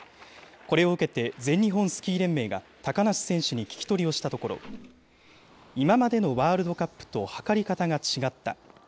これを受けて、全日本スキー連盟が高梨選手に聞き取りをしたところ、今までのワールドカップと測り方が違った。